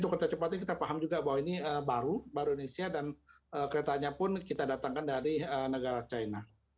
kereta cepatnya kita paham juga bahwa ini baru baru indonesia dan keretanya pun kita datangkan dari negara china